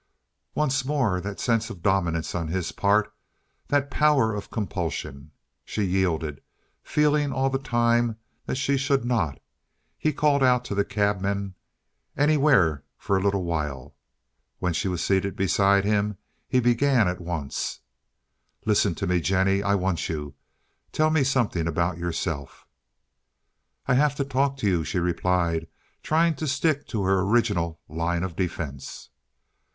Once more that sense of dominance on his part, that power of compulsion. She yielded, feeling all the time that she should not; he called out to the cabman, "Anywhere for a little while." When she was seated beside him he began at once. "Listen to me, Jennie, I want you. Tell me something about yourself." "I have to talk to you," she replied, trying to stick to her original line of defense.